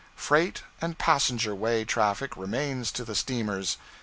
Freight and passenger way traffic remains to the steamers.